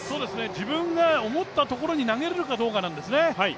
自分が思ったところに投げられるかどうかなんですね。